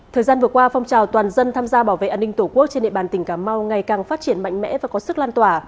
thời gian vừa qua phong trào toàn dân tham gia bảo vệ an ninh tổ quốc trên địa bàn tỉnh cà mau ngày càng phát triển mạnh mẽ và có sức lan tỏa